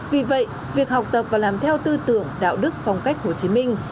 vì vậy việc học tập và làm theo tư tưởng đạo đức phong cách hồ chí minh